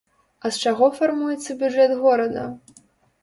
А з чаго фармуецца бюджэт горада?